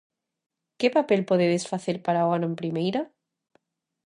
Que papel podedes facer para o ano en primeira?